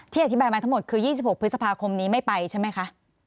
ที่อภิกกฎมาทั้งหมดคือ๒๖พฤษภาคมนี้ไม่ไปใช่มั้ยคะ